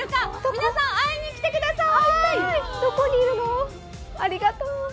皆さん会いに来てください！